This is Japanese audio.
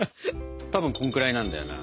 たぶんこんくらいなんだよな。